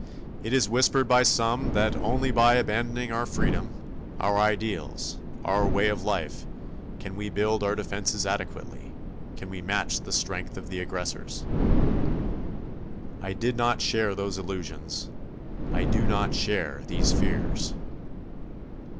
It is whispered by some that, only by abandoning our freedom, our ideals, our way of life, can we build our defenses adequately, can we match the strength of the aggressors. I did not share those illusions. I do not share these fears.